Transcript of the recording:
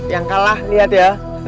yang kalah liat ya